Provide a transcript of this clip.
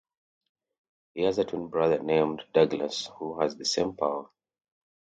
He has a twin brother named Douglas who has the same power.